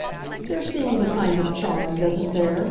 "There seems a kind of charm, doesn't there?